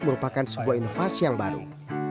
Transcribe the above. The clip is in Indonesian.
merupakan sebuah inovasi yang baru